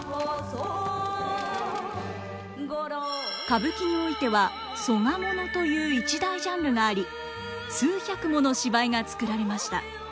歌舞伎においては「曽我もの」という一大ジャンルがあり数百もの芝居が作られました。